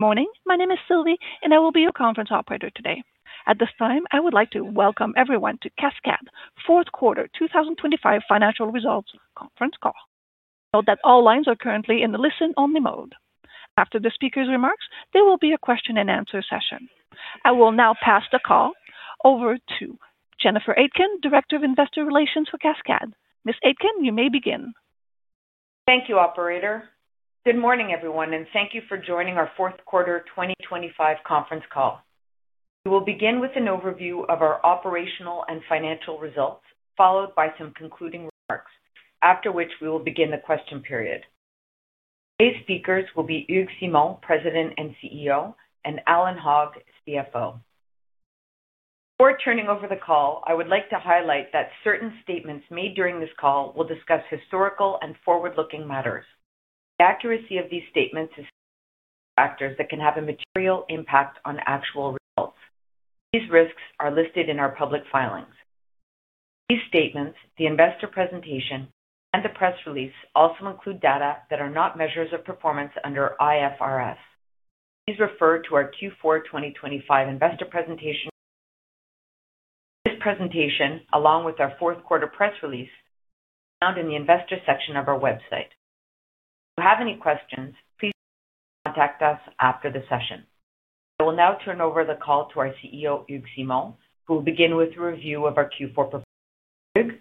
Morning. My name is Sylvie, and I will be your conference operator today. At this time, I would like to welcome everyone to Cascades Fourth Quarter 2025 Financial Results conference call. Note that all lines are currently in the listen-only mode. After the speaker's remarks, there will be a question-and-answer session. I will now pass the call over to Jennifer Aitken, Director of Investor Relations for Cascades. Ms. Aitken, you may begin. Thank you, operator. Good morning, everyone, and thank you for joining our fourth quarter 2025 conference call. We will begin with an overview of our operational and financial results, followed by some concluding remarks, after which we will begin the question period. Today's speakers will be Hugues Simon, President and CEO, and Allan Hogg, CFO. Before turning over the call, I would like to highlight that certain statements made during this call will discuss historical and forward-looking matters. The accuracy of these statements is factors that can have a material impact on actual results. These risks are listed in our public filings. These statements, the investor presentation, and the press release also include data that are not measures of performance under IFRS. Please refer to our Q4 2025 investor presentation. This presentation, along with our fourth quarter press release, found in the investor section of our website. If you have any questions, please contact us after the session. I will now turn over the call to our CEO, Hugues Simon, who will begin with a review of our Q4 performance. Hugues?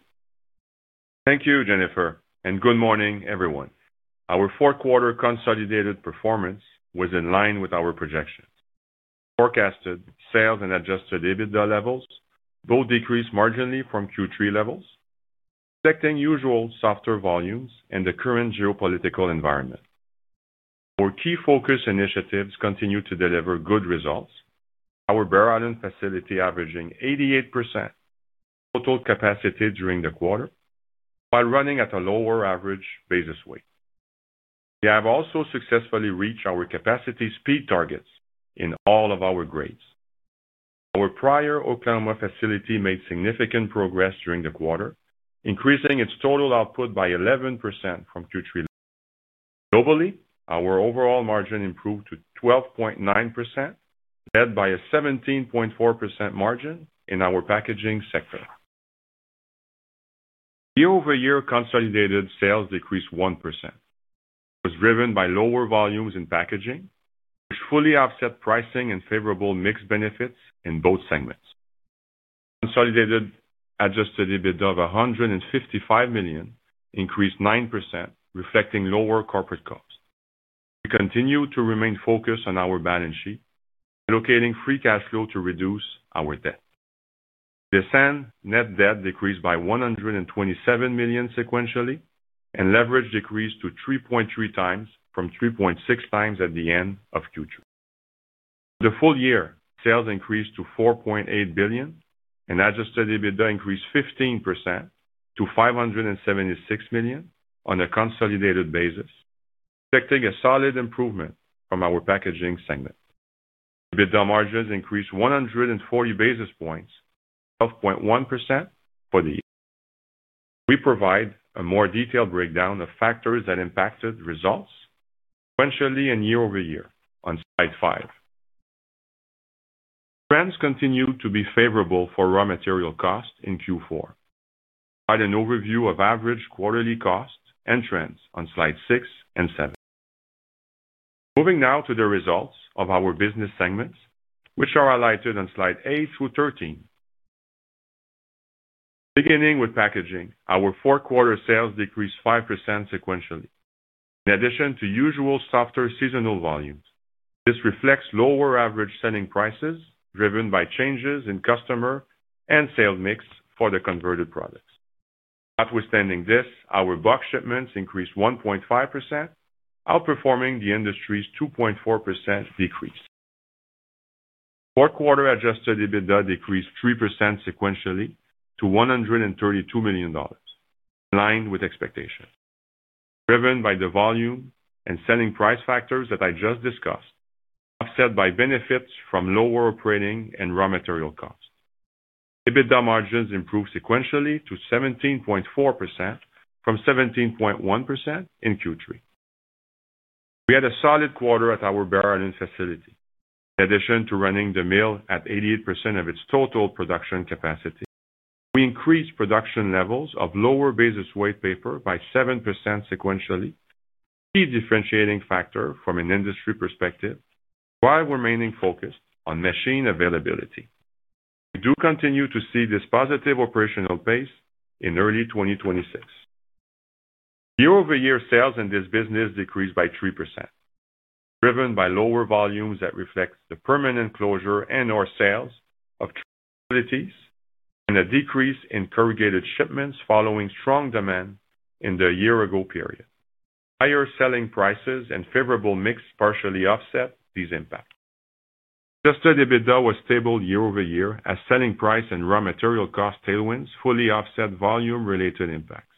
Thank you, Jennifer. Good morning, everyone. Our fourth quarter consolidated performance was in line with our projections. Forecasted sales and adjusted EBITDA levels both decreased marginally from Q3 levels, affecting usual softer volumes in the current geopolitical environment. Our key focus initiatives continue to deliver good results. Our Bear Island facility averaging 88% total capacity during the quarter, while running at a lower average basis weight. We have also successfully reached our capacity speed targets in all of our grades. Our Pryor, Oklahoma facility made significant progress during the quarter, increasing its total output by 11% from Q3. Globally, our overall margin improved to 12.9%, led by a 17.4% margin in our packaging sector. Year-over-year consolidated sales decreased 1%. It was driven by lower volumes in packaging, which fully offset pricing and favorable mixed benefits in both segments. Consolidated Adjusted EBITDA of 155 million increased 9%, reflecting lower corporate costs. We continue to remain focused on our balance sheet, allocating free cash flow to reduce our debt. Sequentially, net debt decreased by 127 million, and leverage decreased to 3.3x from 3.6x at the end of Q2. For the full year, sales increased to 4.8 billion, and Adjusted EBITDA increased 15% to 576 million on a consolidated basis, reflecting a solid improvement from our packaging segment. EBITDA margins increased 140 basis points of 0.1% for the year. We provide a more detailed breakdown of factors that impacted results sequentially and year-over-year on slide five. Trends continue to be favorable for raw material costs in Q4. Find an overview of average quarterly costs and trends on slides six and seven. Moving now to the results of our business segments, which are highlighted on slide eight through 13. Beginning with packaging, our fourth quarter sales decreased 5% sequentially. In addition to usual softer seasonal volumes, this reflects lower average selling prices, driven by changes in customer and sales mix for the converted products. Notwithstanding this, our box shipments increased 1.5%, outperforming the industry's 2.4% decrease. Fourth quarter-adjusted EBITDA decreased 3% sequentially to 132 million dollars, in line with expectations. Driven by the volume and selling price factors that I just discussed, offset by benefits from lower operating and raw material costs. EBITDA margins improved sequentially to 17.4% from 17.1% in Q3. We had a solid quarter at our Bear Island facility. In addition to running the mill at 88% of its total production capacity, we increased production levels of lower basis weight paper by 7% sequentially, a key differentiating factor from an industry perspective, while remaining focused on machine availability. We do continue to see this positive operational pace in early 2026. Year-over-year sales in this business decreased by 3%, driven by lower volumes that reflect the permanent closure and/or sales of facilities and a decrease in corrugated shipments following strong demand in the year-ago period. Higher selling prices and favorable mix partially offset these impacts. Adjusted EBITDA was stable year over year as selling price and raw material cost tailwinds fully offset volume-related impacts.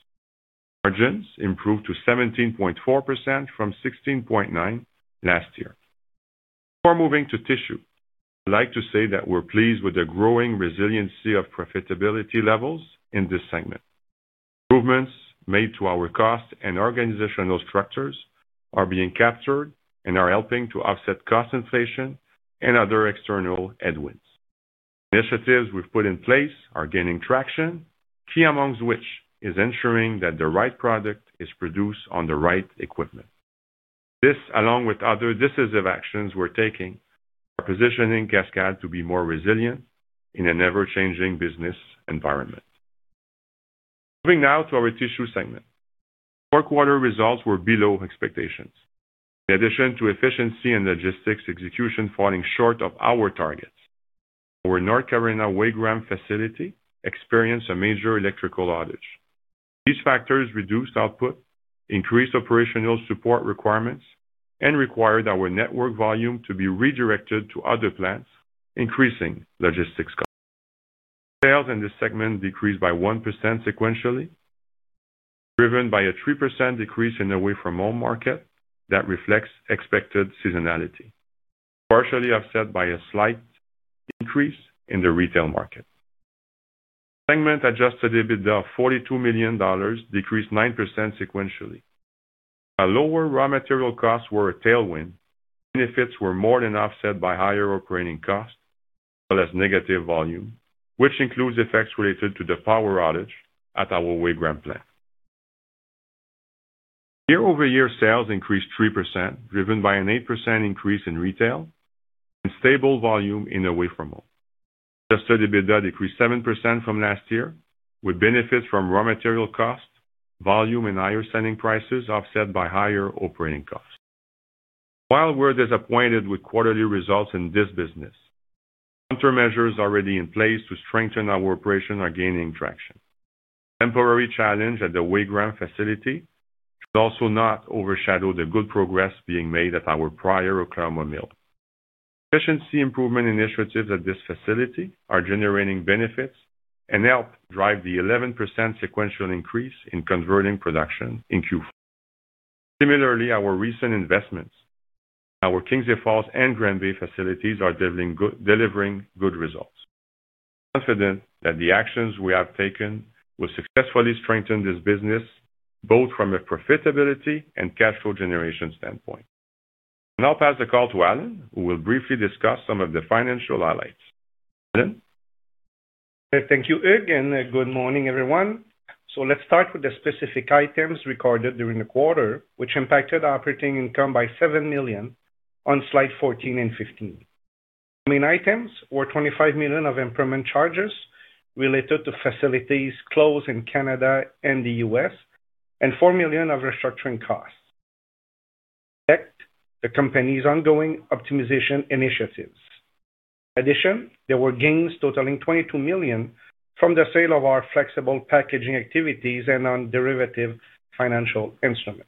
Margins improved to 17.4% from 16.9% last year. Before moving to tissue, I'd like to say that we're pleased with the growing resiliency of profitability levels in this segment. Improvements made to our cost and organizational structures are being captured and are helping to offset cost inflation and other external headwinds. Initiatives we've put in place are gaining traction, key amongst which is ensuring that the right product is produced on the right equipment. This, along with other decisive actions we're taking, are positioning Cascades to be more resilient in an ever-changing business environment. Moving now to our tissue segment. Fourth quarter results were below expectations. In addition to efficiency and logistics execution falling short of our targets, our North Carolina Wagram facility experienced a major electrical outage. These factors reduced output, increased operational support requirements, and required our network volume to be redirected to other plants, increasing logistics costs. Sales in this segment decreased by 1% sequentially, driven by a 3% decrease in the away-from-home market that reflects expected seasonality, partially offset by a slight increase in the retail market. Segment Adjusted EBITDA of 42 million dollars decreased 9% sequentially. While lower raw material costs were a tailwind, benefits were more than offset by higher operating costs as well as negative volume, which includes effects related to the power outage at our Wagram plant. Year-over-year sales increased 3%, driven by an 8% increase in retail and stable volume in away-from-home. Adjusted EBITDA decreased 7% from last year, with benefits from raw material cost, volume, and higher selling prices offset by higher operating costs. While we're disappointed with quarterly results in this business, countermeasures already in place to strengthen our operation are gaining traction. Temporary challenge at the Wagram facility should also not overshadow the good progress being made at our Pryor, Oklahoma mill. Efficiency improvement initiatives at this facility are generating benefits and helped drive the 11% sequential increase in converting production in Q4. Similarly, our recent investments, our Kingsey Falls and Grand Bay facilities, are delivering good results. Confident that the actions we have taken will successfully strengthen this business, both from a profitability and cash flow generation standpoint. I'll now pass the call to Allan, who will briefly discuss some of the financial highlights. Allan? Thank you, Hugues, and good morning, everyone. Let's start with the specific items recorded during the quarter, which impacted operating income by 7 million on slide 14 and 15. Main items were 25 million of impairment charges related to facilities closed in Canada and the U.S., and 4 million of restructuring costs. Check the company's ongoing optimization initiatives. In addition, there were gains totaling 22 million from the sale of our Flexible Packaging activities and on derivative financial instruments.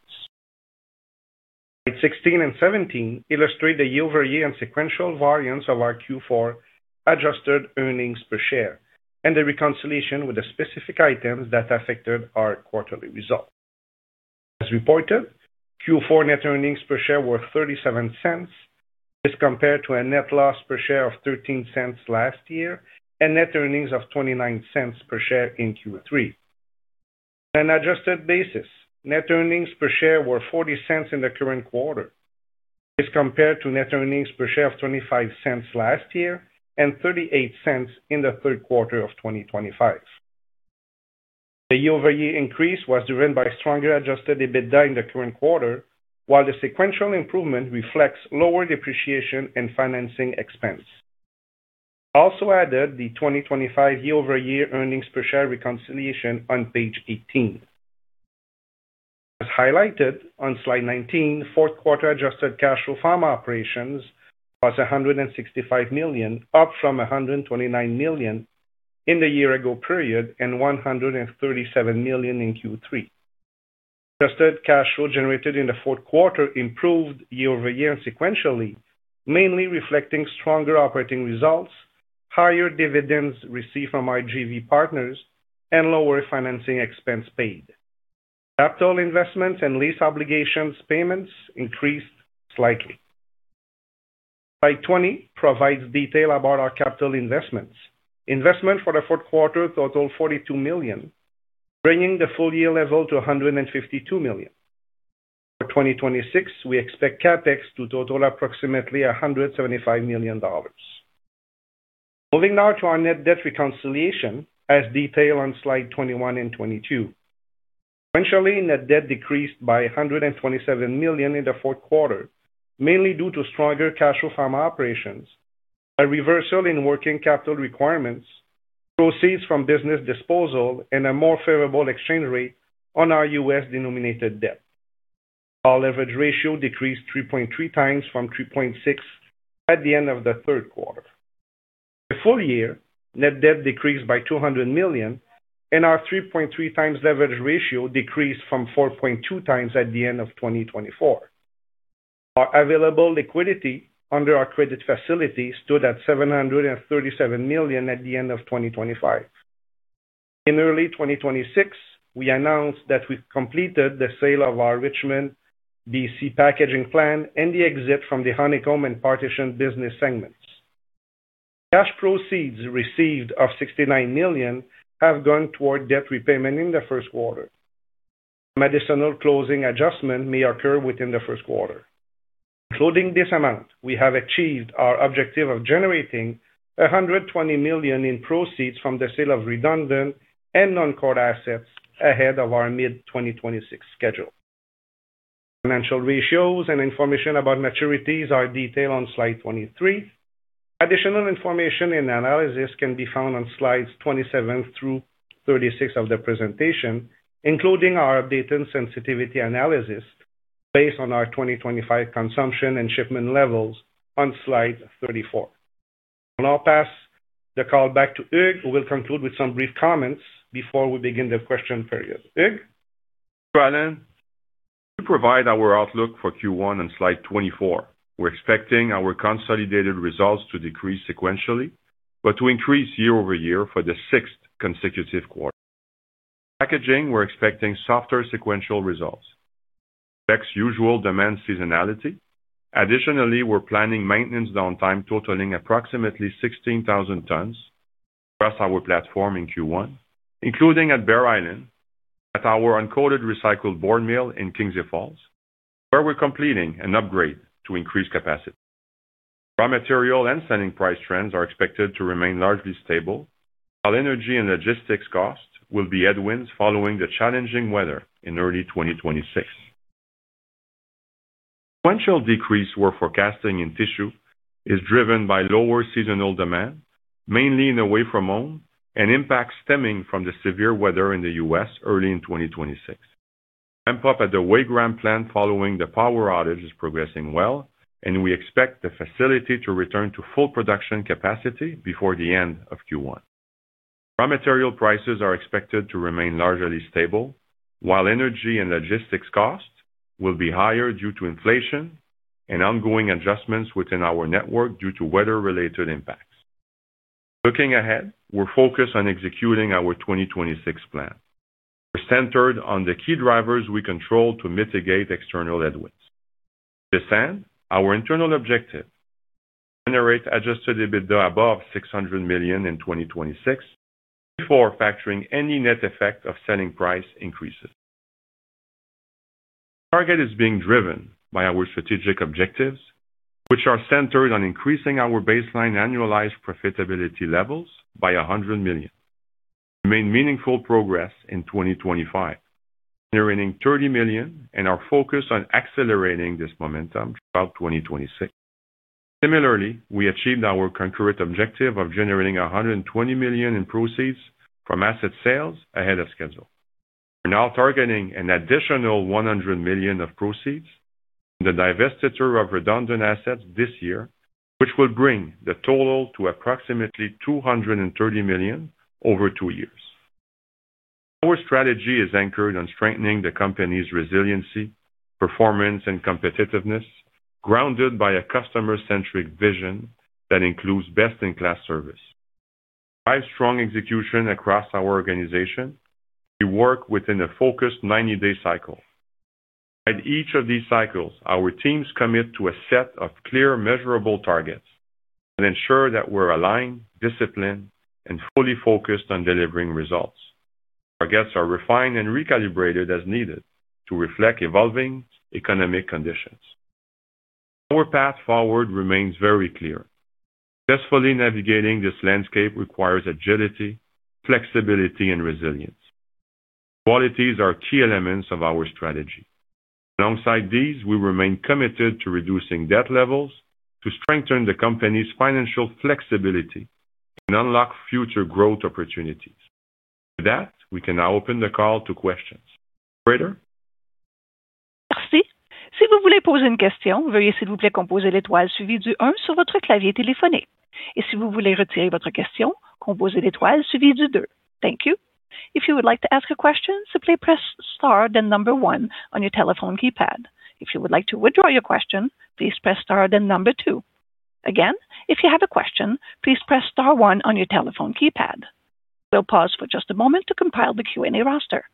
16 and 17 illustrate the year-over-year and sequential variance of our Q4 adjusted earnings per share and the reconciliation with the specific items that affected our quarterly results. As reported, Q4 net earnings per share were 0.37, this compared to a net loss per share of 0.13 last year, and net earnings of 0.29 per share in Q3. On an adjusted basis, net earnings per share were 0.40 in the current quarter, as compared to net earnings per share of 0.25 last year and 0.38 in the third quarter of 2025. The year-over-year increase was driven by stronger Adjusted EBITDA in the current quarter, while the sequential improvement reflects lower depreciation and financing expense. Added the 2025 year-over-year earnings per share reconciliation on page 18. As highlighted on Slide 19, fourth quarter adjusted cash flow from operations was 165 million, up from 129 million in the year-ago period, and 137 million in Q3. Adjusted cash flow generated in the fourth quarter improved year-over-year and sequentially, mainly reflecting stronger operating results, higher dividends received from our JV partners, and lower financing expense paid. Capital investments and lease obligations payments increased slightly. Slide 20 provides detail about our capital investments. Investment for the fourth quarter totaled 42 million, bringing the full-year level to 152 million. For 2026, we expect CapEx to total approximately 175 million dollars. Moving now to our net debt reconciliation, as detailed on Slide 21 and 22. Net debt decreased by 127 million in the fourth quarter, mainly due to stronger cash flow from operations, a reversal in working capital requirements, proceeds from business disposal, and a more favorable exchange rate on our U.S.-denominated debt. Our leverage ratio decreased 3.3x from 3.6 at the end of the third quarter. The full year, net debt decreased by 200 million, and our 3.3x leverage ratio decreased from 4.2 times at the end of 2024. Our available liquidity under our credit facility stood at 737 million at the end of 2025. In early 2026, we announced that we've completed the sale of our Richmond, B.C., packaging plant and the exit from the Honeycomb packaging and partition business segments. Cash proceeds received of 69 million have gone toward debt repayment in the first quarter. A minimal closing adjustment may occur within the first quarter. Including this amount, we have achieved our objective of generating 120 million in proceeds from the sale of redundant and non-core assets ahead of our mid-2026 schedule. Financial ratios and information about maturities are detailed on slide 23. Additional information and analysis can be found on slides 27 through 36 of the presentation, including our updated sensitivity analysis based on our 2025 consumption and shipment levels on slide 34. I'll now pass the call back to Hugues, who will conclude with some brief comments before we begin the question period. Hugues? Thank you, Allan. To provide our outlook for Q1 on slide 24, we're expecting our consolidated results to decrease sequentially, but to increase year-over-year for the sixth consecutive quarter. Packaging, we're expecting softer sequential results. Usual demand seasonality. Additionally, we're planning maintenance downtime totaling approximately 16,000 tons across our platform in Q1, including at Bear Island, at our uncoated recycled paperboard mill in Kingsey Falls, where we're completing an upgrade to increase capacity. Raw material and selling price trends are expected to remain largely stable, while energy and logistics costs will be headwinds following the challenging weather in early 2026. Sequential decrease we're forecasting in tissue is driven by lower seasonal demand, mainly in away-from-home, and impacts stemming from the severe weather in the U.S. early in 2026. Ramp-up at the Wagram plant, following the power outage, is progressing well. We expect the facility to return to full production capacity before the end of Q1. Raw material prices are expected to remain largely stable, while energy and logistics costs will be higher due to inflation and ongoing adjustments within our network due to weather-related impacts. Looking ahead, we're focused on executing our 2026 plan. We're centered on the key drivers we control to mitigate external headwinds. To this end, our internal objective: generate Adjusted EBITDA above 600 million in 2026, before factoring any net effect of selling price increases. Target is being driven by our strategic objectives, which are centered on increasing our baseline annualized profitability levels by 100 million. Made meaningful progress in 2025, generating 30 million, and are focused on accelerating this momentum throughout 2026. Similarly, we achieved our concurrent objective of generating 120 million in proceeds from asset sales ahead of schedule. We're now targeting an additional 100 million of proceeds, the divestiture of redundant assets this year, which will bring the total to approximately 230 million over two years. Our strategy is anchored on strengthening the company's resiliency, performance, and competitiveness, grounded by a customer-centric vision that includes best-in-class service. Drive strong execution across our organization. We work within a focused 90-day cycle. At each of these cycles, our teams commit to a set of clear, measurable targets and ensure that we're aligned, disciplined, and fully focused on delivering results. Targets are refined and recalibrated as needed to reflect evolving economic conditions. Our path forward remains very clear. Successfully navigating this landscape requires agility, flexibility, and resilience. Qualities are key elements of our strategy. Alongside these, we remain committed to reducing debt levels to strengthen the company's financial flexibility and unlock future growth opportunities. We can now open the call to questions. Operator? Thank you. Si vous voulez poser une question, veuillez s'il vous plaît composer l'étoile suivi du 1 sur votre clavier téléphonique. Et si vous voulez retirer votre question, composez l'étoile suivi du two. Thank you. If you would like to ask a question, simply press Star, then number one on your telephone keypad. If you would like to withdraw your question, please press Star, then number two. Again, if you have a question, please press Star one on your telephone keypad. We'll pause for just a moment to compile the Q&A roster.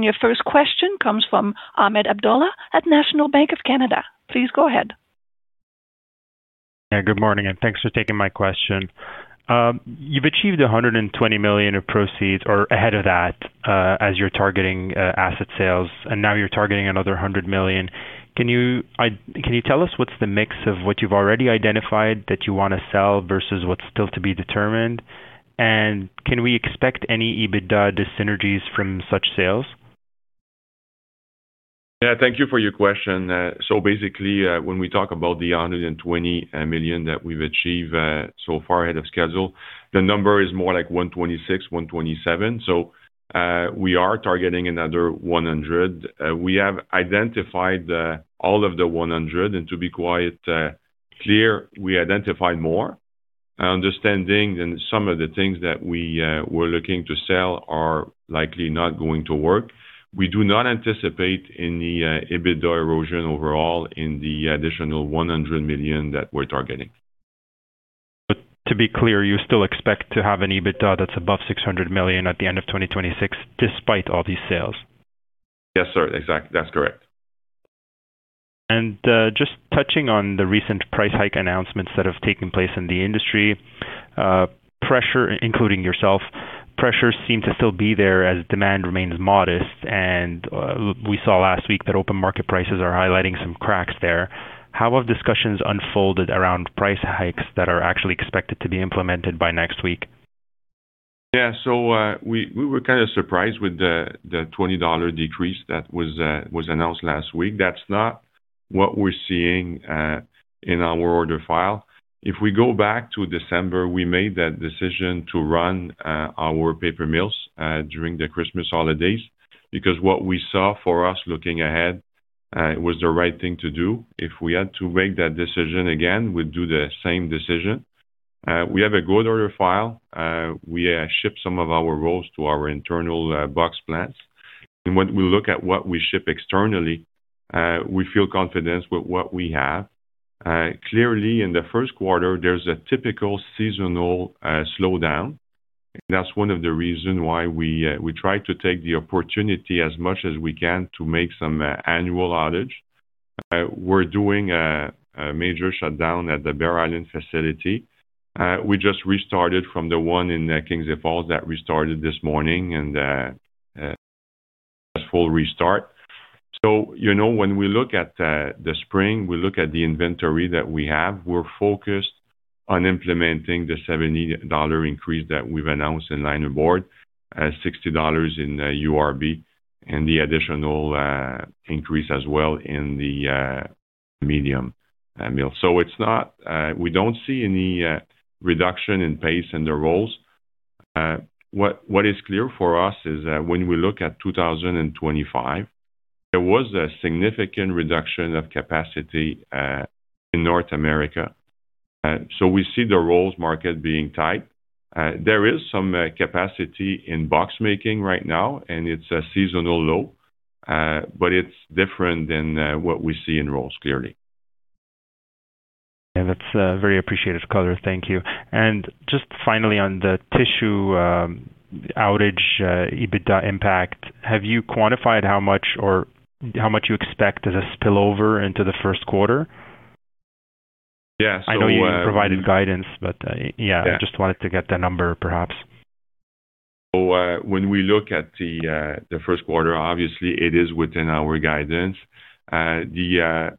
Your first question comes from Ahmed Abdullah at National Bank of Canada. Please go ahead. Good morning, and thanks for taking my question. You've achieved 120 million of proceeds or ahead of that, as you're targeting asset sales, and now you're targeting another 100 million. Can you tell us what's the mix of what you've already identified that you want to sell versus what's still to be determined? Can we expect any EBITDA dyssynergies from such sales? Yeah, thank you for your question. Basically, when we talk about the 120 million that we've achieved so far ahead of schedule, the number is more like 126 million-127 million. We are targeting another 100 million. We have identified all of the 100 million, and to be quite clear, we identified more, understanding than some of the things that we were looking to sell are likely not going to work. We do not anticipate any EBITDA erosion overall in the additional 100 million that we're targeting. To be clear, you still expect to have an EBITDA that's above 600 million at the end of 2026, despite all these sales? Yes, sir. Exactly. That's correct. Just touching on the recent price hike announcements that have taken place in the industry, pressure, including yourself, pressures seem to still be there as demand remains modest. We saw last week that open market prices are highlighting some cracks there. How have discussions unfolded around price hikes that are actually expected to be implemented by next week? Yeah. We were kind of surprised with the 20 dollar decrease that was announced last week. That's not what we're seeing in our order file. If we go back to December, we made that decision to run our paper mills during the Christmas holidays, because what we saw for us looking ahead was the right thing to do. If we had to make that decision again, we'd do the same decision. We have a good order file. We ship some of our rolls to our internal box plants. When we look at what we ship externally, we feel confidence with what we have. Clearly, in the first quarter, there's a typical seasonal slowdown. That's one of the reason why we try to take the opportunity as much as we can to make some annual outage. We're doing a major shutdown at the Bear Island facility. We just restarted from the one in Kingsey Falls that restarted this morning, and full restart. You know, when we look at the spring, we look at the inventory that we have. We're focused on implementing the 70 dollar increase that we've announced in linerboard, 60 dollars in URB and the additional increase as well in the medium mill. We don't see any reduction in pace in the rolls. What is clear for us is that when we look at 2025, there was a significant reduction of capacity in North America. We see the rolls market being tight. There is some capacity in box making right now, and it's a seasonal low, but it's different than what we see in rolls, clearly. Yeah, that's very appreciated color. Thank you. Just finally on the tissue outage EBITDA impact, have you quantified how much or how much you expect as a spillover into the first quarter? Yeah. I know you provided guidance. Yeah. I just wanted to get the number, perhaps. When we look at the first quarter, obviously it is within our guidance. The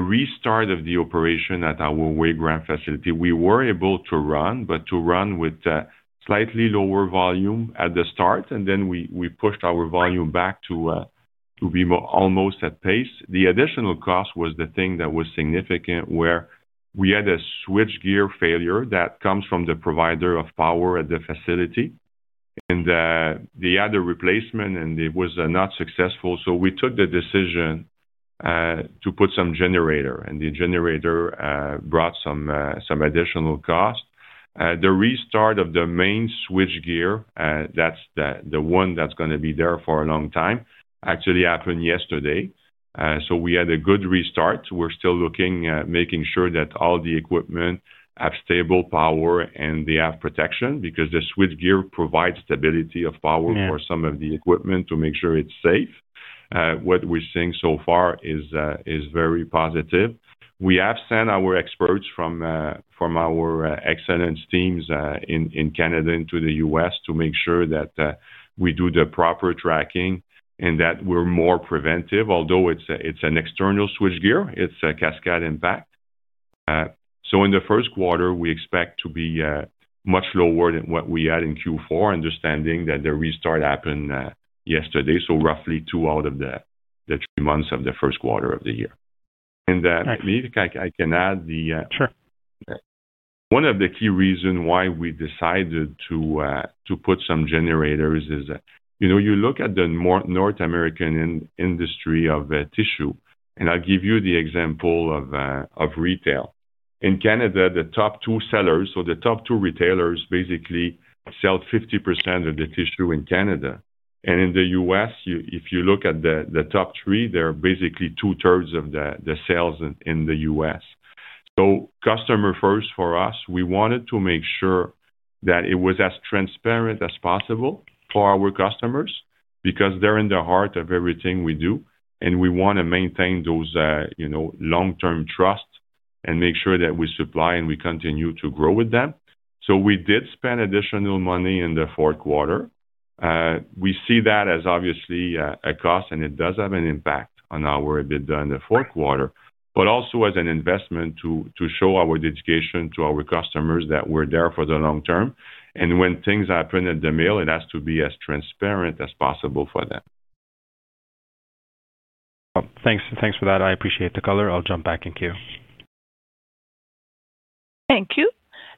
restart of the operation at our Wagram facility, we were able to run, but to run with a slightly lower volume at the start, and then we pushed our volume back to be more almost at pace. The additional cost was the thing that was significant, where we had a switchgear failure that comes from the provider of power at the facility, and they had a replacement, and it was not successful. We took the decision to put some generator, and the generator brought some additional cost. The restart of the main switchgear, that's the one that's gonna be there for a long time, actually happened yesterday. We had a good restart. We're still looking at making sure that all the equipment have stable power and they have protection because the switchgear provides stability of power. Yeah... for some of the equipment to make sure it's safe. What we're seeing so far is very positive. We have sent our experts from from our excellence teams in in Canada into the U.S. to make sure that we do the proper tracking and that we're more preventive. Although it's an external switchgear, it's a Cascades impact. In the first quarter, we expect to be much lower than what we had in Q4, understanding that the restart happened yesterday, so roughly two out of the three months of the first quarter of the year. Maybe I can add the Sure. One of the key reasons why we decided to put some generators is that, you know, you look at the North American industry of tissue, and I'll give you the example of retail. In Canada, the top two sellers or the top two retailers basically sell 50% of the tissue in Canada. In the U.S., if you look at the top three, they're basically 2/3 of the sales in the U.S. Customer first for us, we wanted to make sure that it was as transparent as possible for our customers because they're in the heart of everything we do, and we want to maintain those, you know, long-term trust and make sure that we supply and we continue to grow with them. We did spend additional money in the fourth quarter. We see that as obviously a cost, it does have an impact on our EBITDA in the fourth quarter, but also as an investment to show our dedication to our customers that we're there for the long term. When things happen at the mill, it has to be as transparent as possible for them. Well, thanks for that. I appreciate the color. I'll jump back in queue. Thank you.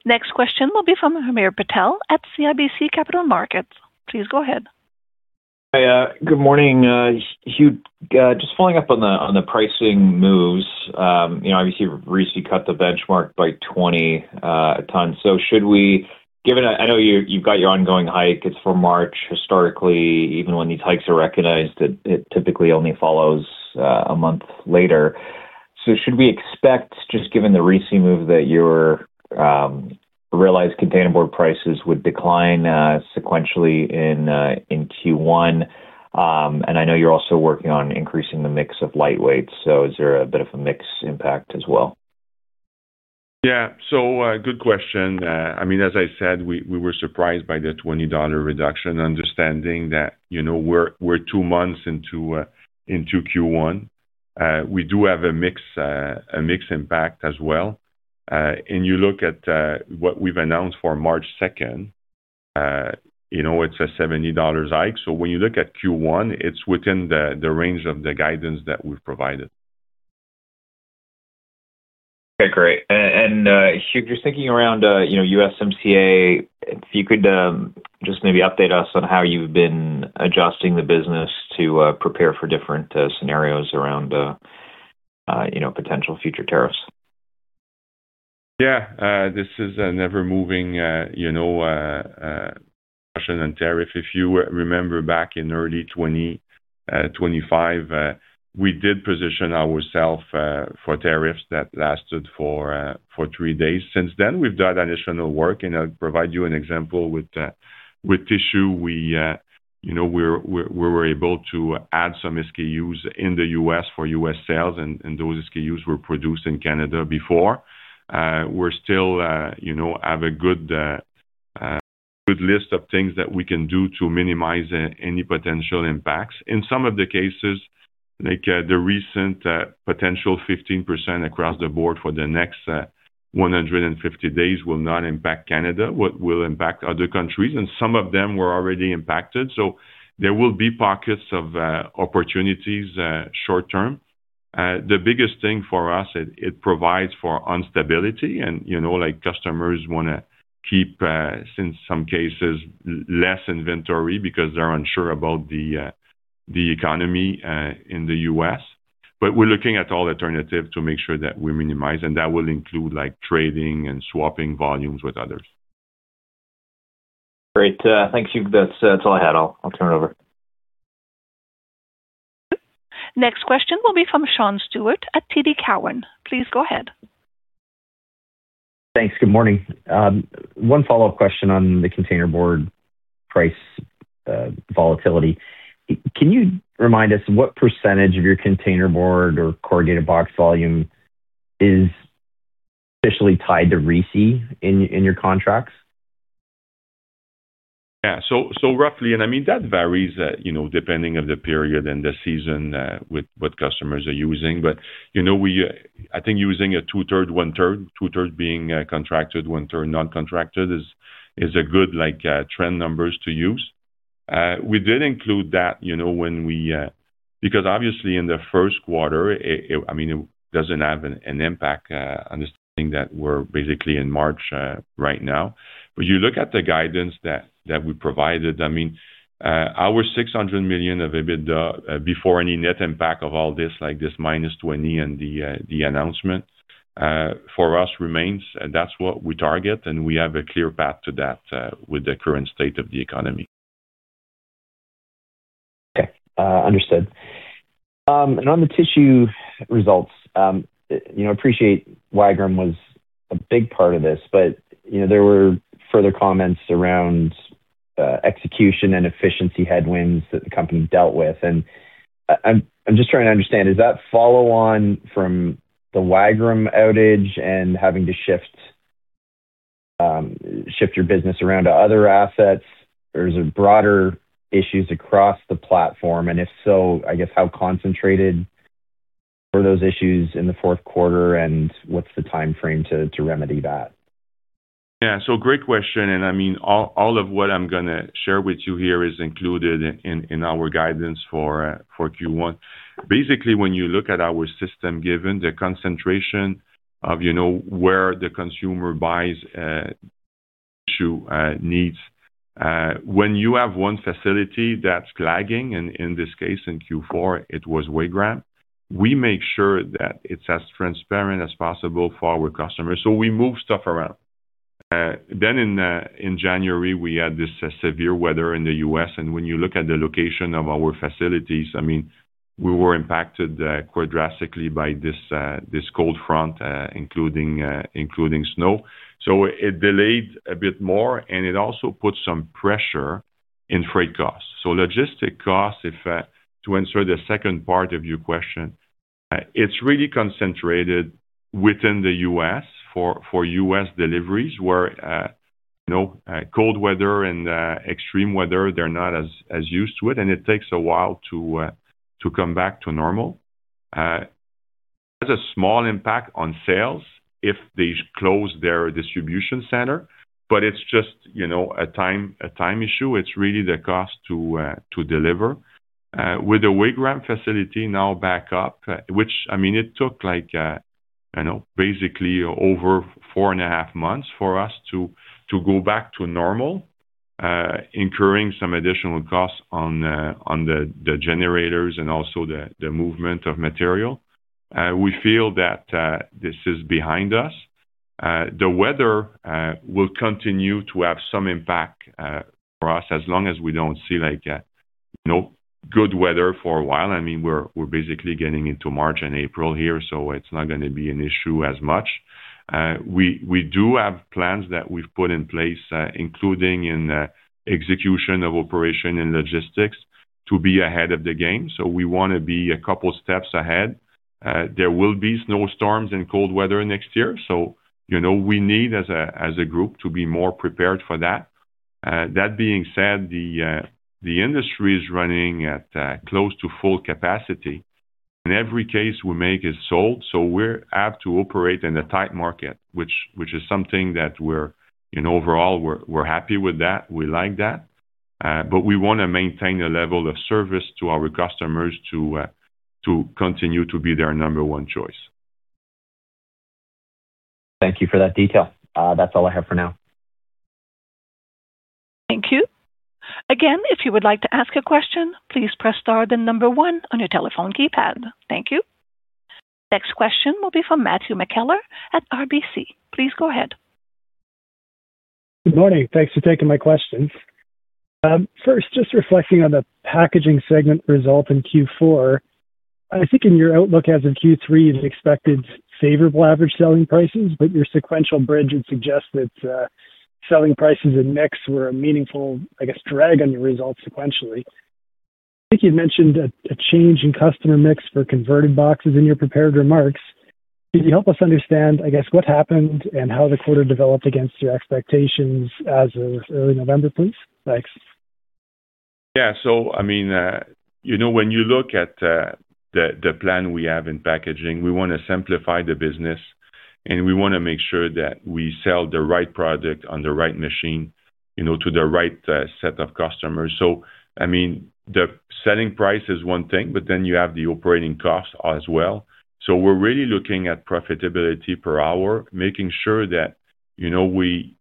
Next question will be from Hamir Patel at CIBC Capital Markets. Please go ahead. Hi, good morning, Hugues. Just following up on the pricing moves. You know, obviously, you recently cut the benchmark by 20 ton. Given that, I know you've got your ongoing hike, it's for March. Historically, even when these hikes are recognized, it typically only follows a month later. Should we expect, just given the recent move, that your realized containerboard prices would decline sequentially in Q1? I know you're also working on increasing the mix of lightweight, so is there a bit of a mix impact as well? Yeah. Good question. I mean, as I said, we were surprised by the 20 dollar reduction, understanding that, you know, we're two months into Q1. We do have a mix, a mix impact as well. You look at what we've announced for March 2nd, you know, it's a 70 dollars hike. When you look at Q1, it's within the range of the guidance that we've provided. Okay, great. Hugues, just thinking around, you know, USMCA, if you could, just maybe update us on how you've been adjusting the business to prepare for different scenarios around, you know, potential future tariffs. Yeah. This is a never moving, you know, question on tariff. If you remember back in early 2025, we did position ourselves for tariffs that lasted for three days. Since then, we've done additional work, and I'll provide you an example with tissue. We, you know, we're able to add some SKUs in the U.S. for U.S. sales, and those SKUs were produced in Canada before. We're still, you know, have a good list of things that we can do to minimize any potential impacts. In some of the cases, like, the recent potential 15% across the board for the next 150 days will not impact Canada. What will impact other countries, and some of them were already impacted. There will be pockets of opportunities, short term. The biggest thing for us, it provides for instability and, you know, like, customers want to keep, since some cases, less inventory because they're unsure about the economy in the U.S. We're looking at all alternative to make sure that we minimize, and that will include, like, trading and swapping volumes with others. Great. Thank you. That's all I had. I'll turn it over. Next question will be from Sean Steuart at TD Cowen. Please go ahead. Thanks. Good morning. One follow-up question on the containerboard price volatility. Can you remind us what % of your containerboard or corrugated box volume is officially tied to RISI in your contracts? Roughly, and I mean, that varies, you know, depending of the period and the season, with what customers are using. You know, we, I think using a 2/3, 1/3, 2/3 being contracted, one term non-contracted is a good, like, trend numbers to use. We did include that, you know, when we, because obviously in the first quarter, it, I mean, it doesn't have an impact, understanding that we're basically in March right now. You look at the guidance that we provided, I mean, our 600 million of EBITDA before any net impact of all this, like this -20 and the announcement, for us remains, and that's what we target, and we have a clear path to that, with the current state of the economy. Okay, understood. On the tissue results, you know, appreciate Wagram was a big part of this, but, you know, there were further comments around execution and efficiency headwinds that the company dealt with. I'm just trying to understand, is that follow on from the Wagram outage and having to shift your business around to other assets, or is it broader issues across the platform? If so, I guess how concentrated were those issues in the fourth quarter, and what's the time frame to remedy that? Yeah, great question, and I mean, all of what I'm gonna share with you here is included in our guidance for Q1. Basically, when you look at our system, given the concentration of, you know, where the consumer buys tissue needs, when you have one facility that's lagging, and in this case, in Q4, it was Wagram, we make sure that it's as transparent as possible for our customers. We move stuff around. Then in January, we had this severe weather in the U.S., and when you look at the location of our facilities, I mean, we were impacted quite drastically by this cold front, including snow. It delayed a bit more, and it also put some pressure in freight costs. Logistic costs, if to answer the second part of your question, it's really concentrated within the U.S. for U.S. deliveries, where, you know, cold weather and extreme weather, they're not as used to it, and it takes a while to come back to normal. There's a small impact on sales if they close their distribution center, but it's just, you know, a time issue. It's really the cost to deliver. With the Wagram facility now back up, which, I mean, it took like basically over four and a half months for us to go back to normal, incurring some additional costs on the generators and also the movement of material. We feel that this is behind us. The weather will continue to have some impact for us, as long as we don't see like, you know, good weather for a while. I mean, we're basically getting into March and April here, so it's not going to be an issue as much. We do have plans that we've put in place, including in execution of operation and logistics to be ahead of the game. We want to be a couple steps ahead. There will be snowstorms and cold weather next year, so, you know, we need as a group to be more prepared for that. That being said, the industry is running at close to full capacity, and every case we make is sold. We're apt to operate in a tight market, which is something that we're, you know, overall, we're happy with that. We like that. We want to maintain a level of service to our customers to continue to be their number one choice. Thank you for that detail. That's all I have for now. Thank you. If you would like to ask a question, please press star, then number one on your telephone keypad. Thank you. Next question will be from Matthew McKellar at RBC. Please go ahead. Good morning. Thanks for taking my questions. First, just reflecting on the packaging segment result in Q4. I think in your outlook, as in Q3, you expected favorable average selling prices. Your sequential bridge would suggest that selling prices in mix were a meaningful, I guess, drag on your results sequentially. I think you mentioned a change in customer mix for converted boxes in your prepared remarks. Could you help us understand, I guess, what happened and how the quarter developed against your expectations as of early November, please? Thanks. Yeah. I mean, you know, when you look at the plan we have in packaging, we want to simplify the business, and we want to make sure that we sell the right product on the right machine, you know, to the right set of customers. I mean, the selling price is one thing, but then you have the operating costs as well. We're really looking at profitability per hour, making sure that, you know, we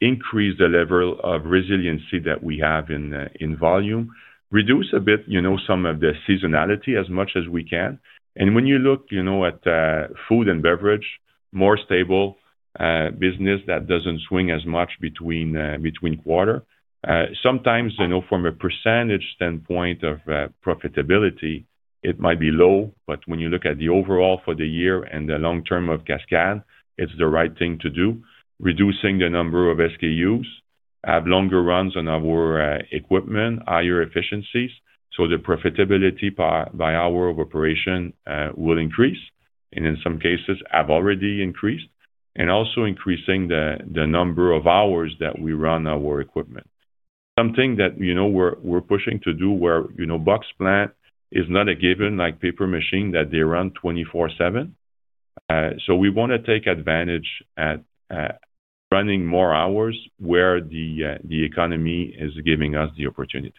increase the level of resiliency that we have in volume. Reduce a bit, you know, some of the seasonality as much as we can. When you look, you know, at food and beverage, more stable business that doesn't swing as much between quarter. Sometimes, you know, from a percentage standpoint of profitability, it might be low, but when you look at the overall for the year and the long term of Cascades, it's the right thing to do. Reducing the number of SKUs, have longer runs on our equipment, higher efficiencies, so the profitability per, by hour of operation, will increase and in some cases have already increased. Also increasing the number of hours that we run our equipment. Something that, you know, we're pushing to do where, you know, box plant is not a given, like paper machine, that they run 24/7. We want to take advantage at running more hours where the economy is giving us the opportunity.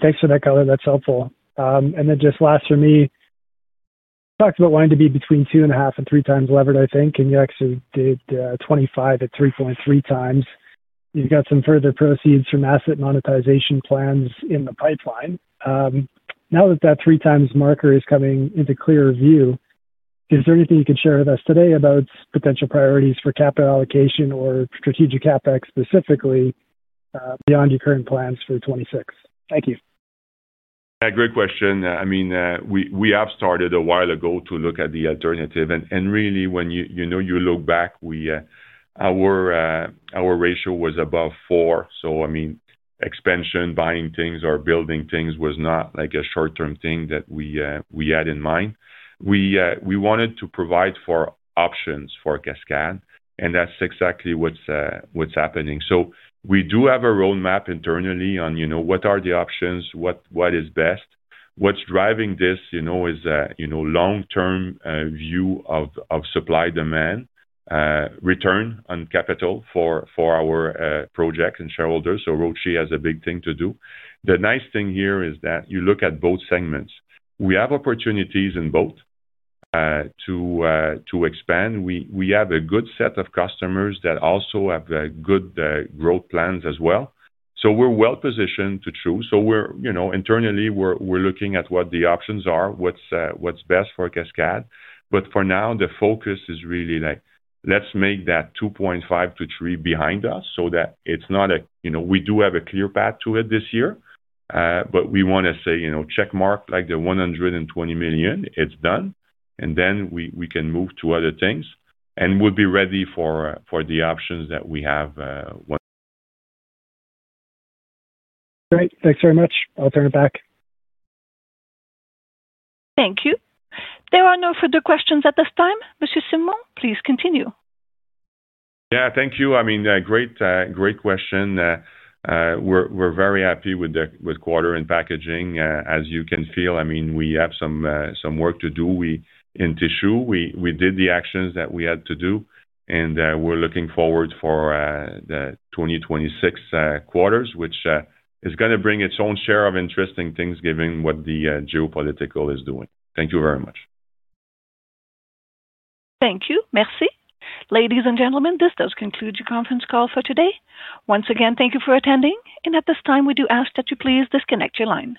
Thanks for that color. That's helpful. Then just last for me, you talked about wanting to be between 2.5x and 3x levered, I think, and you actually did, 2025 at 3.3x. You've got some further proceeds from asset monetization plans in the pipeline. Now that that 3x marker is coming into clearer view, is there anything you can share with us today about potential priorities for capital allocation or strategic CapEx, specifically, beyond your current plans for 2026? Thank you. Yeah, great question. I mean, we have started a while ago to look at the alternative and really, when you know, you look back, we, our ratio was above four, so, I mean, expansion, buying things or building things was not like a short-term thing that we had in mind. We wanted to provide for options for Cascades, and that's exactly what's happening. We do have a roadmap internally on, you know, what are the options, what is best. What's driving this, you know, is a, you know, long-term view of supply, demand, return on capital for our projects and shareholders. ROIC has a big thing to do. The nice thing here is that you look at both segments. We have opportunities in both to expand. We have a good set of customers that also have good growth plans as well. We're well positioned to choose. We're, you know, internally, we're looking at what the options are, what's best for Cascades. For now, the focus is really like, let's make that 2.5x-3x behind us so that it's not a. You know, we do have a clear path to it this year, but we want to say, you know, check mark, like the 120 million, it's done, and we can move to other things, and we'll be ready for the options that we have. Great. Thanks very much. I'll turn it back. Thank you. There are no further questions at this time. Monsieur Simon, please continue. Yeah, thank you. I mean, great question. We're very happy with the quarter and packaging, as you can feel. I mean, we have some work to do. We, in tissue, we did the actions that we had to do. We're looking forward for the 2026 quarters, which is going to bring its own share of interesting things, given what the geopolitical is doing. Thank you very much. Thank you. Merci. Ladies and gentlemen, this does conclude your conference call for today. Once again, thank you for attending, and at this time, we do ask that you please disconnect your lines.